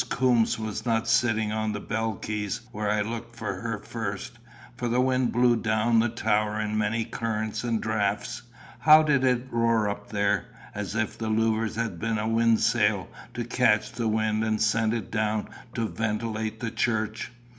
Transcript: Coombes was not sitting on the bell keys, where I looked for her first, for the wind blew down the tower in many currents and draughts how it did roar up there as if the louvres had been a windsail to catch the wind and send it down to ventilate the church!